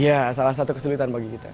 ya salah satu kesulitan bagi kita